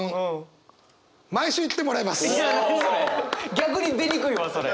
逆に出にくいわそれ！